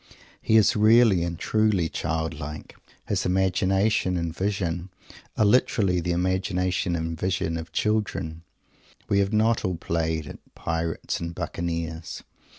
He is really and truly childlike. His imagination and vision are literally the imagination and vision of children. We have not all played at Pirates and Buccaneers.